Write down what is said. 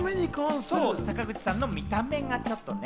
坂口さんの見た目がちょっとね。